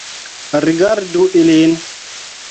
Rigardu ilin